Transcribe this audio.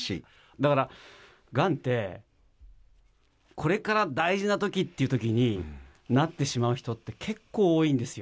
だから、がんって、これから大事なときっていうときになってしまう人って、結構多いんですよ。